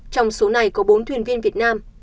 trong số này có bốn thuyền viên việt nam